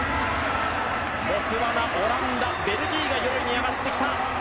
ボツワナ、オランダベルギーが４位に上がってきた。